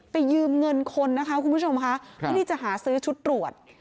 ยืมเงินคนนะคะคุณผู้ชมค่ะเพื่อที่จะหาซื้อชุดตรวจ